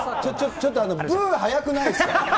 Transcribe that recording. ちょっとブーが早くないですか？